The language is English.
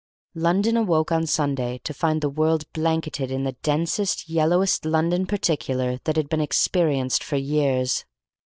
London awoke on Sunday to find the world blanketed in the densest, yellowest London particular that had been experienced for years.